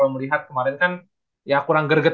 melihat kemarin kan ya kurang gerget